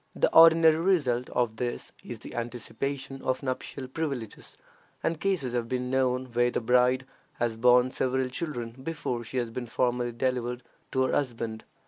The ordinary result of this is the anticipation of nuptial privileges, and cases have been known where the bride has borne several children before she has been formally delivered to her husband.